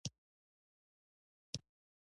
پکتیا د افغانستان د کلتوري میراث برخه ده.